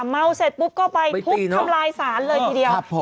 เมาเสร็จปุ๊บก็ไปทุบทำลายศาลเลยทีเดียว